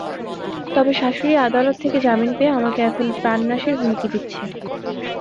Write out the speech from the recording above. তবে শাশুড়ি আদালত থেকে জামিন পেয়ে আমাকে এখন প্রাণনাশের হুমকি দিচ্ছে।